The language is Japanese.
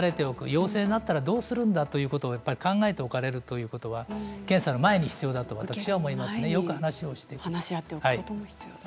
陽性になったらどうするんだというのを考えておかれるということが検査前に必要だと私は思います。